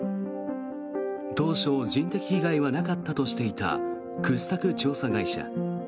当初、人的被害はなかったとしていた掘削調査会社。